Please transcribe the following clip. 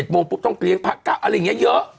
โมงปุ๊บต้องเลี้ยงพระกะอะไรอย่างนี้เยอะ